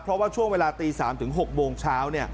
เพราะว่าช่วงเวลาตี๓๖โมงเช้า